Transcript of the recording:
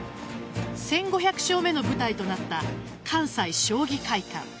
１５００勝目の舞台となった関西将棋会館。